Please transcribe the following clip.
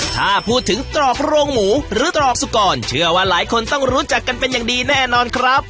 ถ้าพูดถึงตรอกโรงหมูหรือตรอกสุกรเชื่อว่าหลายคนต้องรู้จักกันเป็นอย่างดีแน่นอนครับ